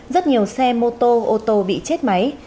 rất nhiều xe mô tô ô tô bị chết máy